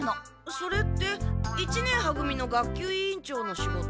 それって一年は組の学級委員長の仕事？